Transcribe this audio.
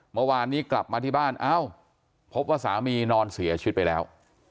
เมื่อวานนี้กลับมาที่บ้านเอ้าพบว่าสามีนอนเสียชีวิตไปแล้ว